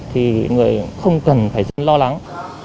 thì người không cần phải lo lắng